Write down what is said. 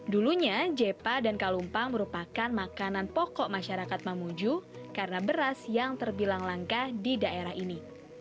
dulunya jepa dan kalumpang merupakan makanan pokok masyarakat mamuju karena beras yang terbilang langka di daerah ini